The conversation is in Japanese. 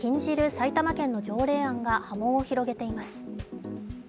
埼玉県の条例案が、波紋を広げています。